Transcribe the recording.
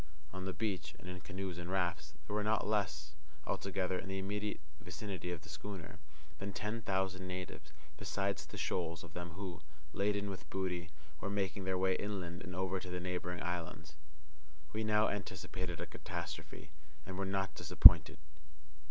On the beach, and in canoes and rafts, there were not less, altogether, in the immediate vicinity of the schooner, than ten thousand natives, besides the shoals of them who, laden with booty, were making their way inland and over to the neighbouring islands. We now anticipated a catastrophe, and were not disappointed.